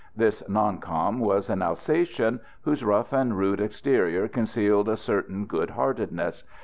This "non com" was an Alsatian, whose rough and rude exterior concealed a certain good heartedness.